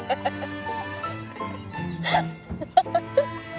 ハハハハ！